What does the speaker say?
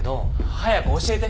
早く教えて。